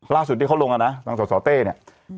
ล่าสุดที่เขาลงอ่ะนะทางสอสอเต้เนี่ย